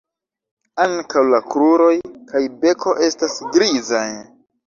Ankaŭ la kruroj kaj beko estas grizaj.